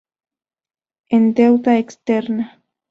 En: Deuda Externa.